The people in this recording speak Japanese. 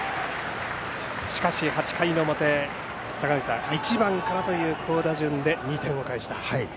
しかし、８回の表坂口さん、１番からという好打順で２点を返した。